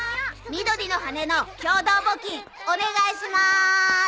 緑の羽根の共同募金お願いしまーす！